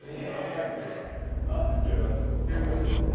読みます？